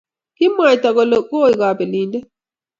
Kimwaita kole oi kobelindet